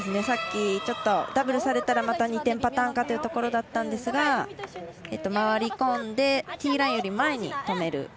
さっき、ちょっとダブルされたらまた２点パターンというところだったんですが回り込んでティーラインより前に止める。